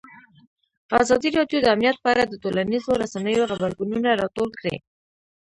ازادي راډیو د امنیت په اړه د ټولنیزو رسنیو غبرګونونه راټول کړي.